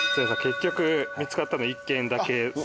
結局見つかったの１軒だけ。